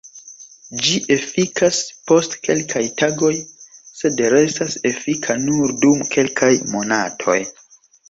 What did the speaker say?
Ĝi efikas post kelkaj tagoj sed restas efika nur dum kelkaj monatoj.